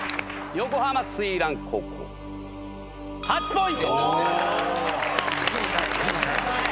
横浜翠嵐高校８ポイント。